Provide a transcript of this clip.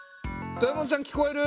豊本ちゃん聞こえる？